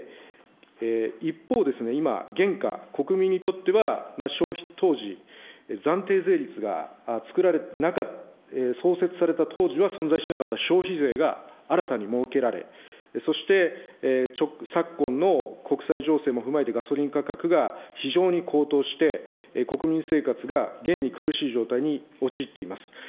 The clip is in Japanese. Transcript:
一方、今、現下、国民にとっては、当時、創設された当時は存在しなかった消費税が新たに設けられ、そして昨今の国際情勢も踏まえてガソリン価格が非常に高騰して、国民生活が現に苦しい状態に陥っています。